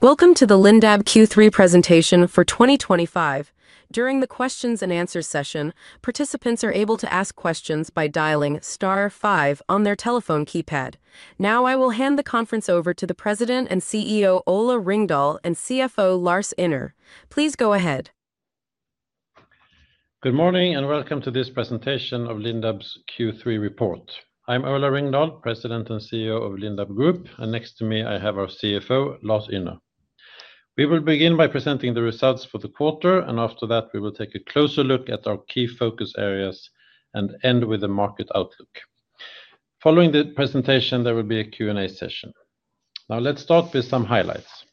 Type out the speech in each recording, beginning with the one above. Welcome to the Lindab Q3 presentation for 2025. During the questions and answers session, participants are able to ask questions by dialing star five on their telephone keypad. Now, I will hand the conference over to the President and CEO Ola Ringdahl and CFO Lars Ynner. Please go ahead. Good morning and welcome to this presentation of Lindab's Q3 report. I'm Ola Ringdahl, President and CEO of Lindab Group, and next to me, I have our CFO, Lars Ynner. We will begin by presenting the results for the quarter, and after that, we will take a closer look at our key focus areas and end with the market outlook. Following the presentation, there will be a Q&A session. Now, let's start with some highlights.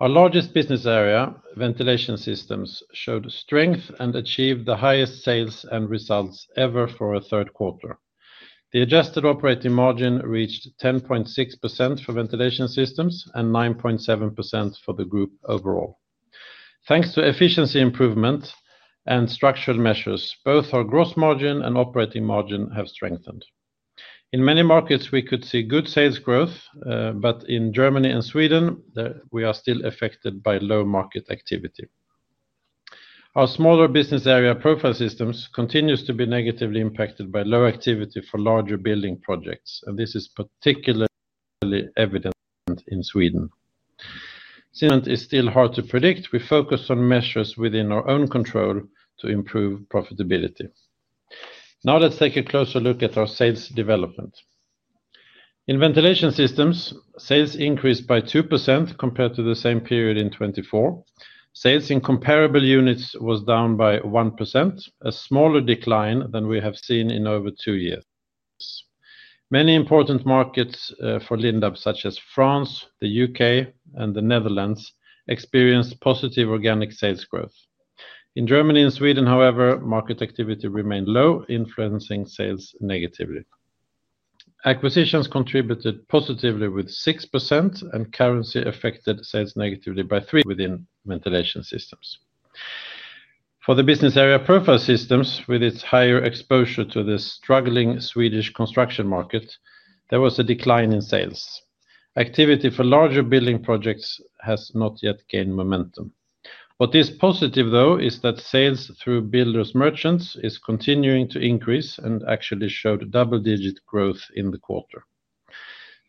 Our largest business area, Ventilation Systems, showed strength and achieved the highest sales and results ever for a third quarter. The adjusted operating margin reached 10.6% for Ventilation Systems and 9.7% for the group overall. Thanks to efficiency improvements and structured measures, both our gross margin and operating margin have strengthened. In many markets, we could see good sales growth, but in Germany and Sweden, we are still affected by low market activity. Our smaller business area, Profile Systems, continues to be negatively impacted by low activity for larger building projects, and this is particularly evident in Sweden. Since it is still hard to predict, we focus on measures within our own control to improve profitability. Now, let's take a closer look at our sales development. In Ventilation Systems, sales increased by 2% compared to the same period in 2024. Sales in comparable units were down by 1%, a smaller decline than we have seen in over two years. Many important markets for Lindab, such as France, the U.K., and the Netherlands, experienced positive organic sales growth. In Germany and Sweden, however, market activity remained low, influencing sales negatively. Acquisitions contributed positively with 6%, and currency affected sales negatively by 3% within Ventilation Systems. For the business area, Profile Systems, with its higher exposure to the struggling Swedish construction market, there was a decline in sales. Activity for larger building projects has not yet gained momentum. What is positive, though, is that sales through builders’ merchants are continuing to increase and actually showed double-digit growth in the quarter.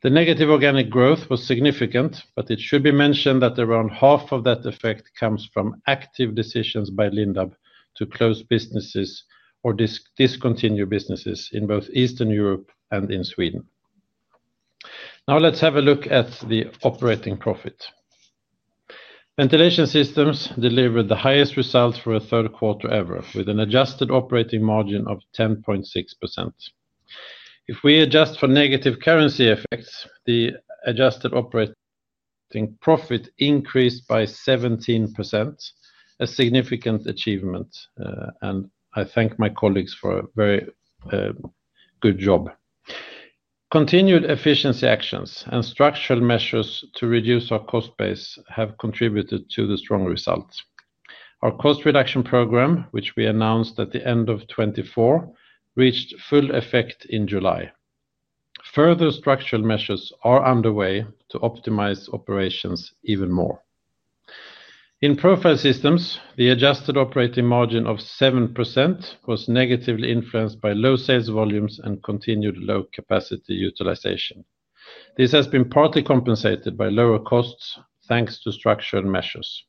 The negative organic growth was significant, but it should be mentioned that around half of that effect comes from active decisions by Lindab to close businesses or discontinue businesses in both Eastern Europe and in Sweden. Now, let's have a look at the operating profit. Ventilation Systems delivered the highest results for a third quarter ever, with an adjusted operating margin of 10.6%. If we adjust for negative currency effects, the adjusted operating profit increased by 17%, a significant achievement, and I thank my colleagues for a very good job. Continued efficiency actions and structural measures to reduce our cost base have contributed to the strong results. Our cost reduction program, which we announced at the end of 2024, reached full effect in July. Further structural measures are underway to optimize operations even more. In Profile Systems, the adjusted operating margin of 7% was negatively influenced by low sales volumes and continued low capacity utilization. This has been partly compensated by lower costs thanks to structural measures.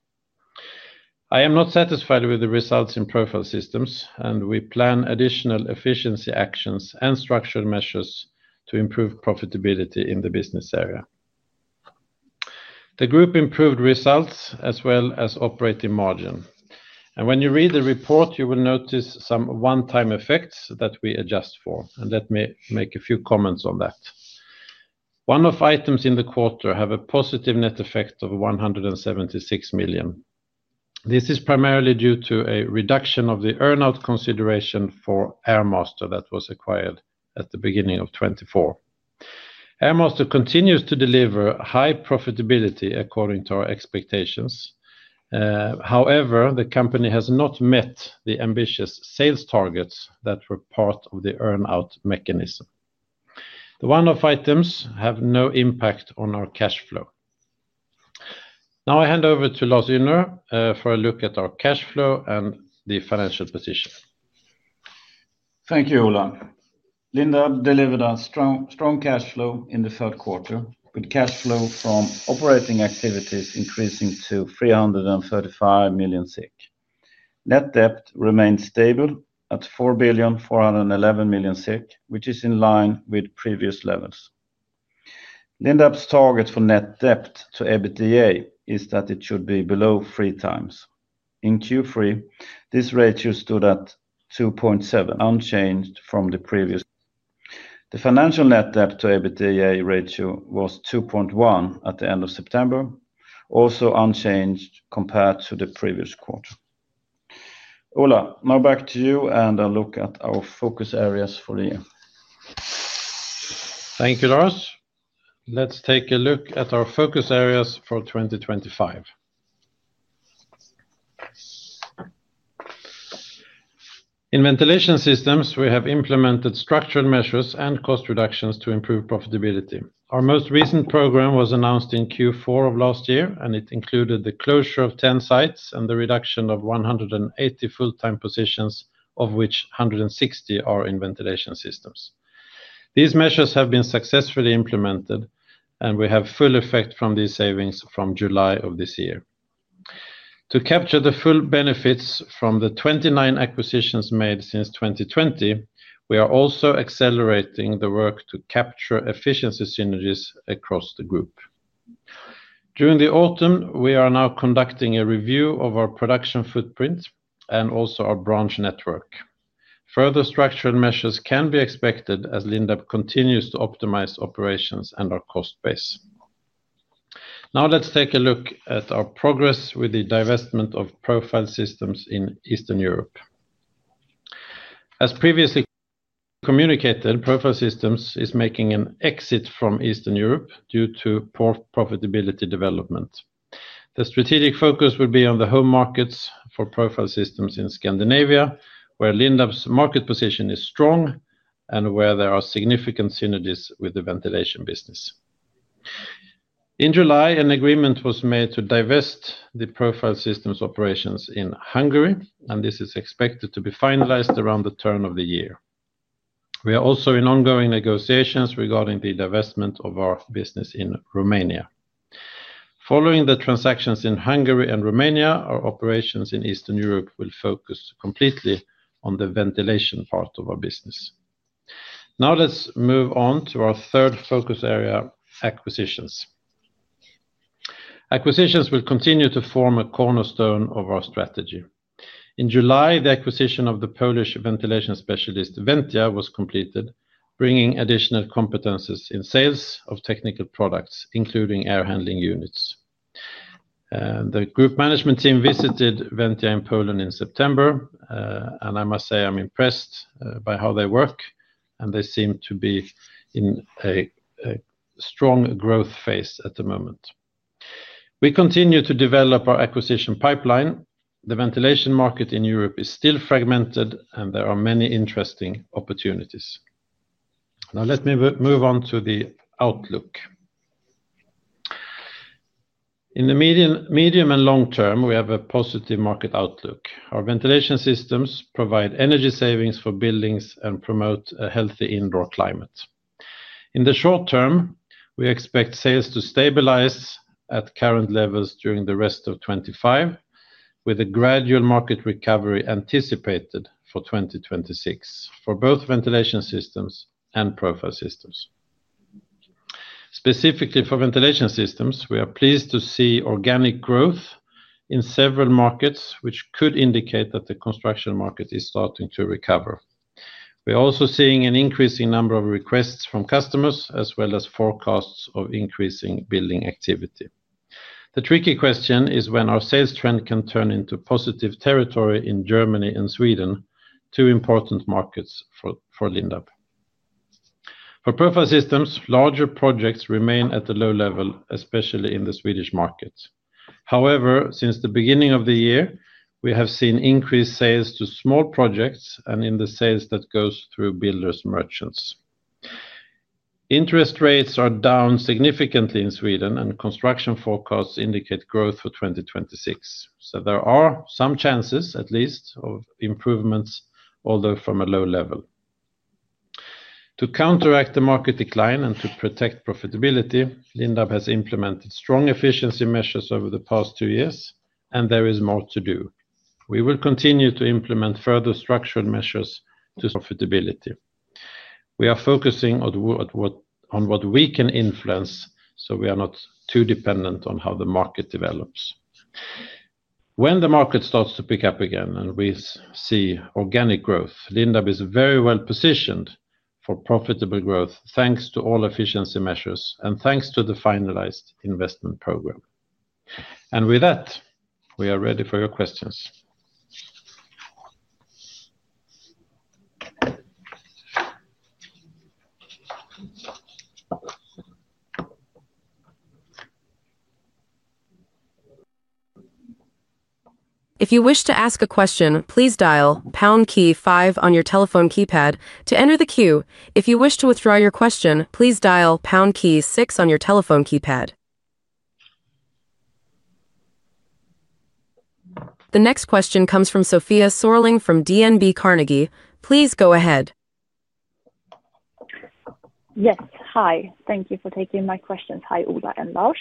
I am not satisfied with the results in Profile Systems, and we plan additional efficiency actions and structural measures to improve profitability in the business area. The group improved results as well as operating margin, and when you read the report, you will notice some one-time effects that we adjust for, and let me make a few comments on that. One of the items in the quarter had a positive net effect of 176 million. This is primarily due to a reduction of the earnout consideration for AirMaster that was acquired at the beginning of 2024. AirMaster continues to deliver high profitability according to our expectations. However, the company has not met the ambitious sales targets that were part of the earnout mechanism. The one-off items have no impact on our cash flow. Now, I hand over to Lars Ynner for a look at our cash flow and the financial position. Thank you, Ola. Lindab delivered a strong cash flow in the third quarter, with cash flow from operating activities increasing to 335 million. Net debt remained stable at 4.411 billion, which is in line with previous levels. Lindab's target for net debt to EBITDA is that it should be below 3x. In Q3, this ratio stood at 2.7, unchanged from the previous quarter. The financial net debt to EBITDA ratio was 2.1 at the end of September, also unchanged compared to the previous quarter. Ola, now back to you and a look at our focus areas for the year. Thank you, Lars. Let's take a look at our focus areas for 2025. In Ventilation Systems, we have implemented structural measures and cost reductions to improve profitability. Our most recent program was announced in Q4 of last year, and it included the closure of 10 sites and the reduction of 180 full-time positions, of which 160 are in Ventilation Systems. These measures have been successfully implemented, and we have full effect from these savings from July of this year. To capture the full benefits from the 29 acquisitions made since 2020, we are also accelerating the work to capture efficiency synergies across the group. During the autumn, we are now conducting a review of our production footprint and also our branch network. Further structural measures can be expected as Lindab continues to optimize operations and our cost base. Now, let's take a look at our progress with the divestment of Profile Systems in Eastern Europe. As previously communicated, Profile Systems are making an exit from Eastern Europe due to poor profitability development. The strategic focus will be on the home markets for Profile Systems in Scandinavia, where Lindab's market position is strong and where there are significant synergies with the ventilation business. In July, an agreement was made to divest the Profile Systems operations in Hungary, and this is expected to be finalized around the turn of the year. We are also in ongoing negotiations regarding the divestment of our business in Romania. Following the transactions in Hungary and Romania, our operations in Eastern Europe will focus completely on the ventilation part of our business. Now, let's move on to our third focus area, acquisitions. Acquisitions will continue to form a cornerstone of our strategy. In July, the acquisition of the Polish ventilation specialist Ventia was completed, bringing additional competencies in sales of technical products, including air handling units. The group management team visited Ventia in Poland in September, and I must say I'm impressed by how they work, and they seem to be in a strong growth phase at the moment. We continue to develop our acquisition pipeline. The ventilation market in Europe is still fragmented, and there are many interesting opportunities. Now, let me move on to the outlook. In the medium and long term, we have a positive market outlook. Our Ventilation Systems provide energy savings for buildings and promote a healthy indoor climate. In the short term, we expect sales to stabilize at current levels during the rest of 2025, with a gradual market recovery anticipated for 2026 for both Ventilation Systems and Profile Systems. Specifically for Ventilation Systems, we are pleased to see organic growth in several markets, which could indicate that the construction market is starting to recover. We are also seeing an increasing number of requests from customers, as well as forecasts of increasing building activity. The tricky question is when our sales trend can turn into positive territory in Germany and Sweden, two important markets for Lindab. For Profile Systems, larger projects remain at the low level, especially in the Swedish market. However, since the beginning of the year, we have seen increased sales to small projects and in the sales that go through builders’ merchants. Interest rates are down significantly in Sweden, and construction forecasts indicate growth for 2026. There are some chances, at least, of improvements, although from a low level. To counteract the market decline and to protect profitability, Lindab has implemented strong efficiency measures over the past two years, and there is more to do. We will continue to implement further structural measures to profitability. We are focusing on what we can influence, so we are not too dependent on how the market develops. When the market starts to pick up again and we see organic growth, Lindab is very well positioned for profitable growth, thanks to all efficiency measures and thanks to the finalized investment program. With that, we are ready for your questions. If you wish to ask a question, please dial pound key five on your telephone keypad. To enter the queue, if you wish to withdraw your question, please dial pound key six on your telephone keypad. The next question comes from Sophia S¨orling from DNB Carnegie. Please go ahead. Yes, hi. Thank you for taking my questions. Hi, Ola and Lars.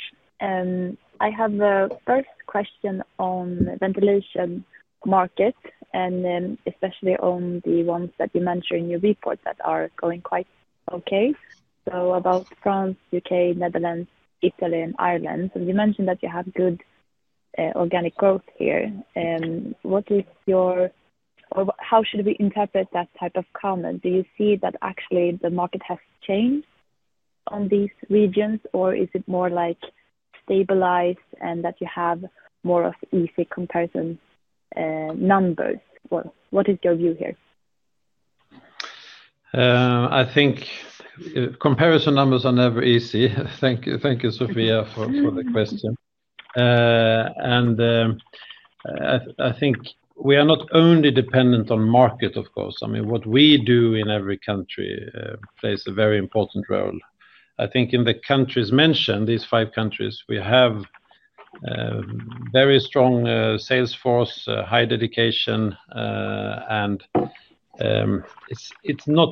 I have a first question on the ventilation market, especially on the ones that you mentioned in your report that are going quite okay. About France, U.K., Netherlands, Italy, and Ireland, you mentioned that you have good organic growth here. How should we interpret that type of comment? Do you see that actually the market has changed in these regions, or is it more like stabilized and that you have more of easy comparison numbers? What is your view here? I think comparison numbers are never easy. Thank you, Sofia, for the question. I think we are not only dependent on market, of course. I mean, what we do in every country plays a very important role. I think in the countries mentioned, these five countries, we have a very strong sales force, high dedication, and it's not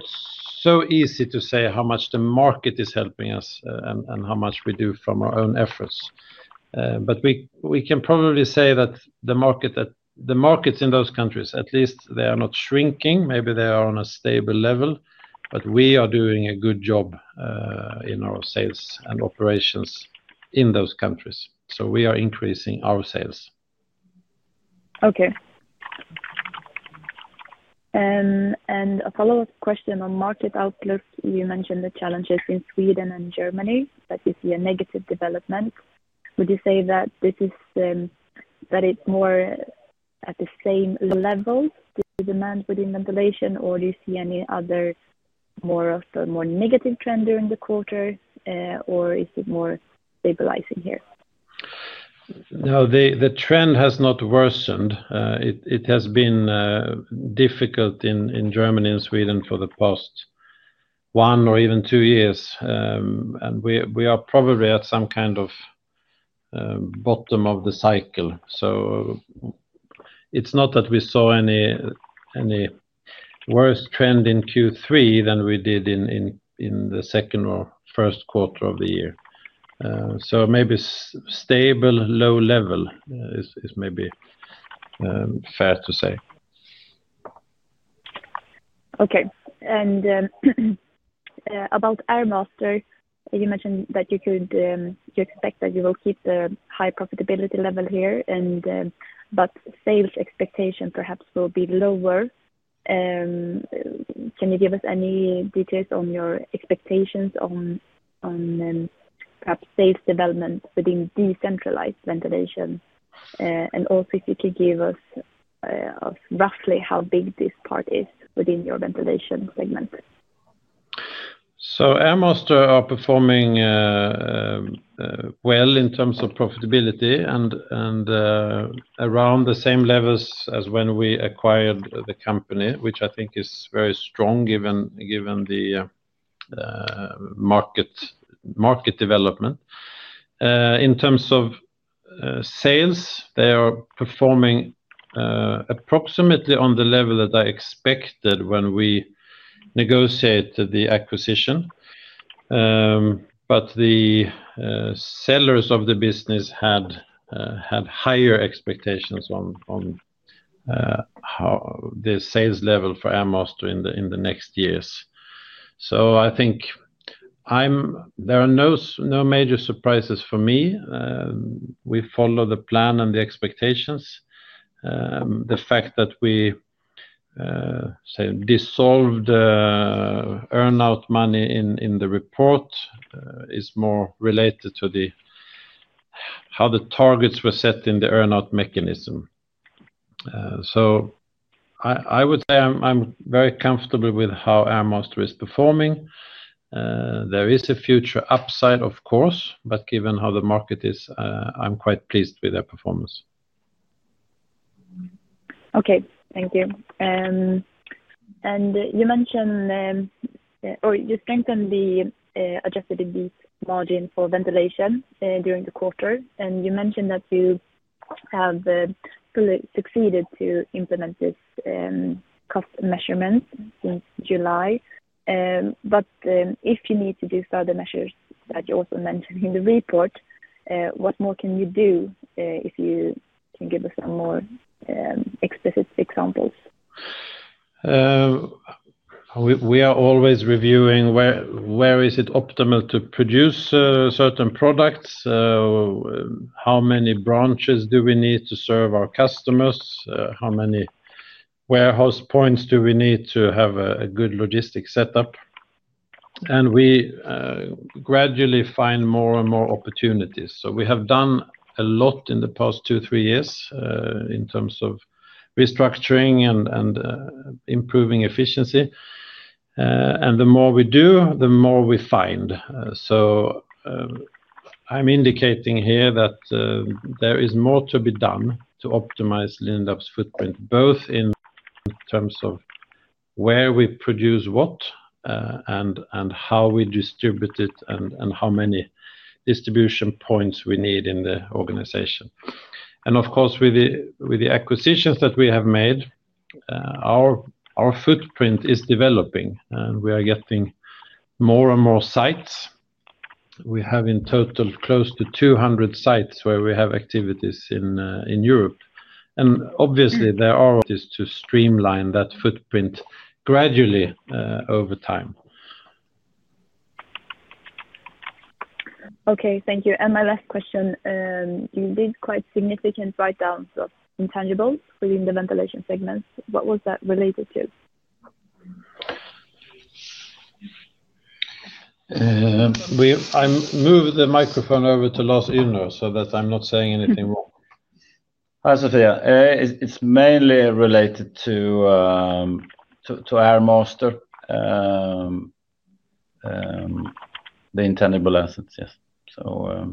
so easy to say how much the market is helping us and how much we do from our own efforts. We can probably say that the markets in those countries, at least, they are not shrinking. Maybe they are on a stable level, but we are doing a good job in our sales and operations in those countries. We are increasing our sales. Okay. A follow-up question on market outlook. You mentioned the challenges in Sweden and Germany, that you see a negative development. Would you say that this is, that it's more at the same level to demand within ventilation, or do you see any other more of a more negative trend during the quarter, or is it more stabilizing here? No, the trend has not worsened. It has been difficult in Germany and Sweden for the past one or even two years, and we are probably at some kind of bottom of the cycle. It's not that we saw any worse trend in Q3 than we did in the second or first quarter of the year. Maybe stable, low level is maybe fair to say. Okay. About AirMaster, you mentioned that you expect that you will keep the high profitability level here, but sales expectation perhaps will be lower. Can you give us any details on your expectations on perhaps sales development within decentralized ventilation? Also, if you could give us roughly how big this part is within your Ventilation Systems segment. AirMaster are performing well in terms of profitability and around the same levels as when we acquired the company, which I think is very strong given the market development. In terms of sales, they are performing approximately on the level that I expected when we negotiated the acquisition, but the sellers of the business had higher expectations on the sales level for AirMaster in the next years. I think there are no major surprises for me. We follow the plan and the expectations. The fact that we dissolved the earnout money in the report is more related to how the targets were set in the earnout mechanism. I would say I'm very comfortable with how AirMaster is performing. There is a future upside, of course, but given how the market is, I'm quite pleased with their performance. Okay. Thank you. You mentioned, or you strengthened the adjusted operating margin for Ventilation Systems during the quarter, and you mentioned that you have fully succeeded to implement this cost measurement since July. If you need to do further measures that you also mentioned in the report, what more can you do if you can give us some more explicit examples? We are always reviewing where it is optimal to produce certain products, how many branches we need to serve our customers, how many warehouse points we need to have a good logistics setup, and we gradually find more and more opportunities. We have done a lot in the past two, three years in terms of restructuring and improving efficiency, and the more we do, the more we find. I'm indicating here that there is more to be done to optimize Lindab's footprint, both in terms of where we produce what and how we distribute it and how many distribution points we need in the organization. Of course, with the acquisitions that we have made, our footprint is developing, and we are getting more and more sites. We have in total close to 200 sites where we have activities in Europe. Obviously, there are opportunities to streamline that footprint gradually over time. Okay. Thank you. My last question, you did quite significant write-downs of intangibles within the Ventilation Systems segment. What was that related to? I move the microphone over to Lars Ynner so that I'm not saying anything wrong. Hi, Sofia. It's mainly related to AirMaster, the intangible assets, yes. Okay.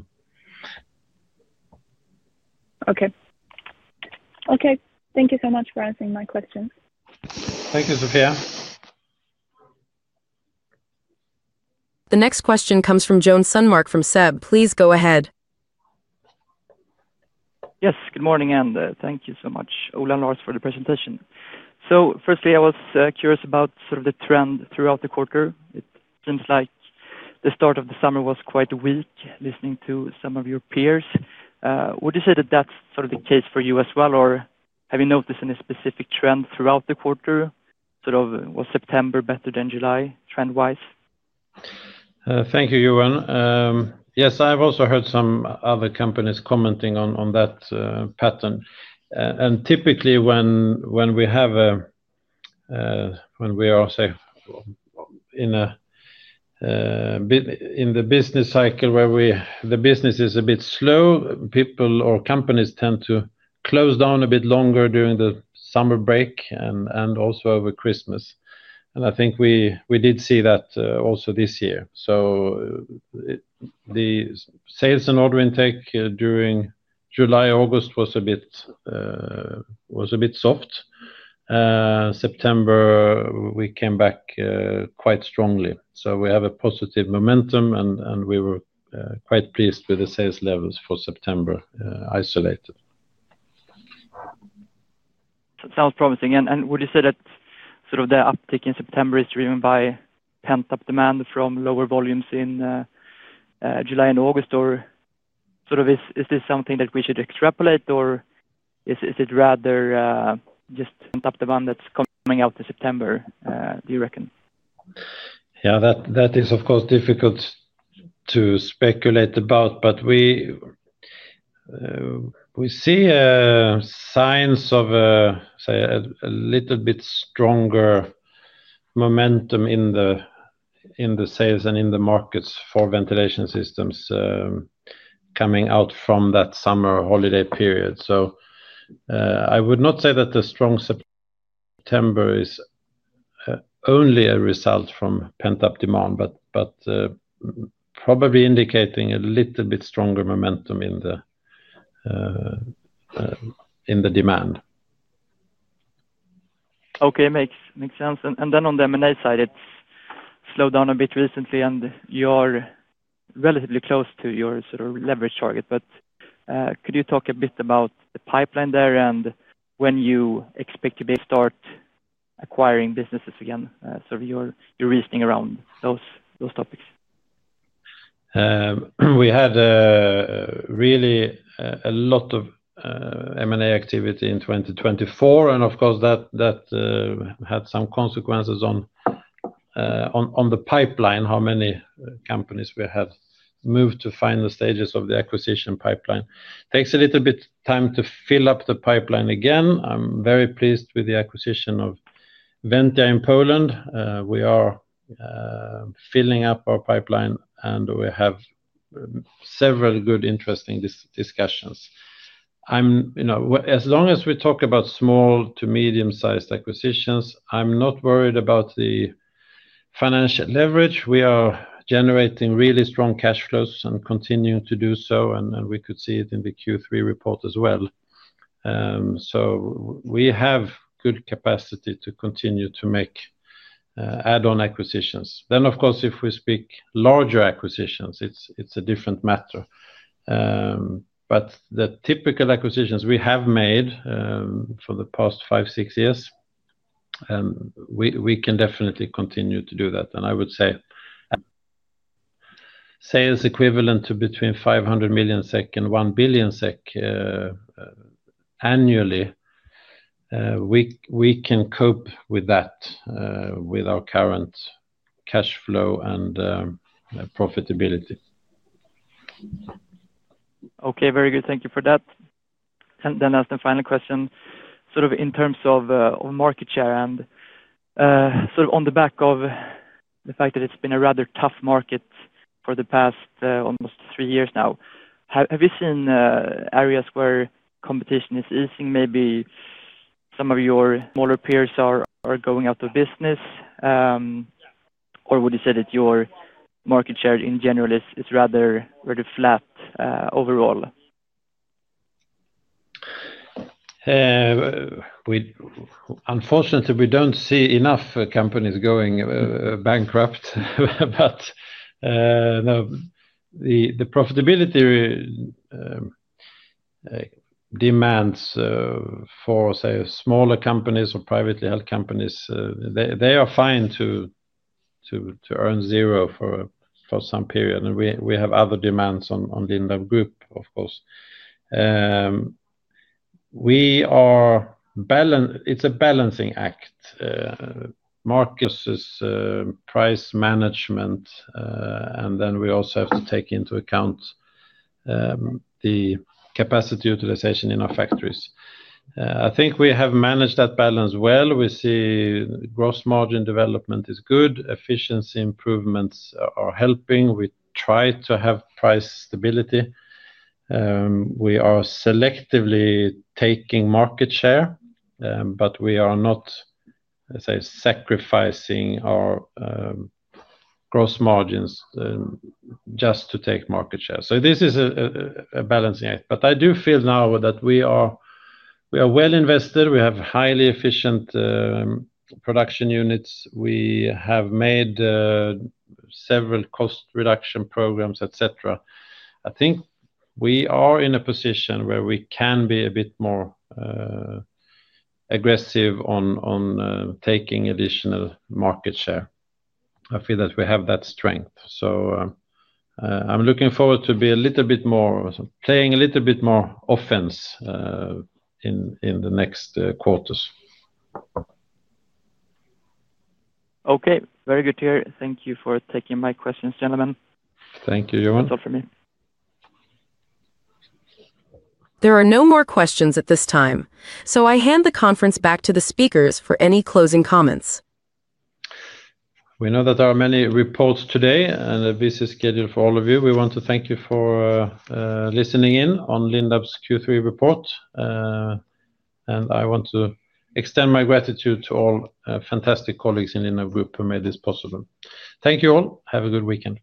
Thank you so much for answering my questions. Thank you, Sophia. The next question comes from Joen Sundmark from SEB. Please go ahead. Yes. Good morning, and thank you so much, Ola and Lars, for the presentation. Firstly, I was curious about the trend throughout the quarter. It seems like the start of the summer was quite weak, listening to some of your peers. Would you say that that's the case for you as well, or have you noticed any specific trend throughout the quarter? Was September better than July trend-wise? Thank you, Joen. Yes, I have also heard some other companies commenting on that pattern. Typically, when we are in the business cycle where the business is a bit slow, people or companies tend to close down a bit longer during the summer break and also over Christmas. I think we did see that also this year. The sales and order intake during July and August was a bit soft. In September, we came back quite strongly. We have a positive momentum, and we were quite pleased with the sales levels for September isolated. That sounds promising. Would you say that the uptick in September is driven by pent-up demand from lower volumes in July and August, or is this something that we should extrapolate, or is it rather just pent-up demand that's coming out in September? Do you reckon? That is, of course, difficult to speculate about, but we see signs of a little bit stronger momentum in the sales and in the markets for Ventilation Systems coming out from that summer holiday period. I would not say that the strong September is only a result from pent-up demand, but probably indicating a little bit stronger momentum in the demand. Okay. Makes sense. On the M&A side, it's slowed down a bit recently, and you are relatively close to your sort of leverage target. Could you talk a bit about the acquisition pipeline there and when you expect to start acquiring businesses again? Your reasoning around those topics. We had really a lot of M&A activity in 2024, and of course, that had some consequences on the pipeline, how many companies we had moved to the final stages of the acquisition pipeline. It takes a little bit of time to fill up the pipeline again. I'm very pleased with the acquisition of Ventia in Poland. We are filling up our pipeline, and we have several good, interesting discussions. As long as we talk about small to medium-sized acquisitions, I'm not worried about the financial leverage. We are generating really strong cash flows and continuing to do so, and we could see it in the Q3 report as well. We have good capacity to continue to make add-on acquisitions. If we speak larger acquisitions, it's a different matter. The typical acquisitions we have made for the past five, six years, we can definitely continue to do that. I would say sales equivalent to between 500 million SEK and 1 billion SEK annually, we can cope with that with our current cash flow and profitability. Okay. Very good. Thank you for that. To ask the final question, in terms of market share and on the back of the fact that it's been a rather tough market for the past almost three years now, have you seen areas where competition is easing? Maybe some of your smaller peers are going out of business, or would you say that your market share in general is rather flat overall? Unfortunately, we don't see enough companies going bankrupt, but the profitability demands for, say, smaller companies or privately held companies, they are fine to earn zero for some period. We have other demands on Lindab Group, of course. It's a balancing act, market versus price management, and then we also have to take into account the capacity utilization in our factories. I think we have managed that balance well. We see gross margin development is good. Efficiency improvements are helping. We try to have price stability. We are selectively taking market share, but we are not, let's say, sacrificing our gross margins just to take market share. This is a balancing act. I do feel now that we are well invested. We have highly efficient production units. We have made several cost reduction programs, etc. I think we are in a position where we can be a bit more aggressive on taking additional market share. I feel that we have that strength. I'm looking forward to be a little bit more, playing a little bit more offense in the next quarters. Okay. Very good to hear. Thank you for taking my questions, gentlemen. Thank you, Joen. That's all from me. There are no more questions at this time. I hand the conference back to the speakers for any closing comments. We know that there are many reports today, and this is scheduled for all of you. We want to thank you for listening in on Lindab's Q3 report, and I want to extend my gratitude to all fantastic colleagues in Lindab Group who made this possible. Thank you all. Have a good weekend.